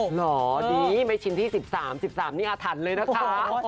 เหรอดีไม่ชิ้นที่๑๓๑๓นี่อาถรรพ์เลยนะคะ